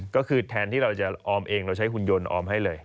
ก็คือแทนที่เราจะออมเองเราใช้หุ่นยนต์ออมให้เลย